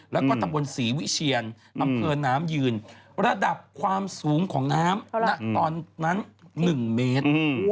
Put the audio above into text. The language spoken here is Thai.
แล้วก็ตำบลศรีวิเชียนอำเภอน้ำยืนระดับความสูงของน้ำณตอนนั้น๑เมตร